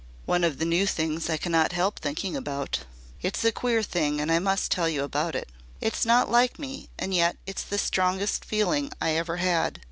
"One of the new things I cannot help thinking about it's a queer thing and I must tell you about it. It's not like me and yet it's the strongest feeling I ever had.